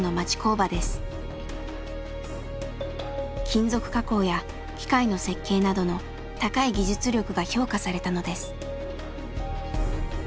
金属加工や機械の設計などの高い技術力が評価されたのです。